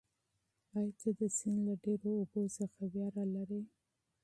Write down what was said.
ایا ته د سیند له ډېرو اوبو څخه وېره لرې؟